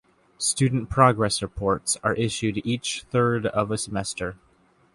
Student progress reports are issued each third of a semester.